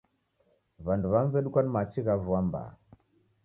W'andu w'amu w'edukwa ni machi gha vua mbaa.